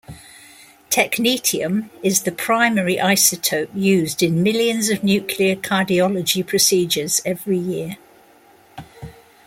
Technetium is the primary isotope used in millions of nuclear cardiology procedures every year.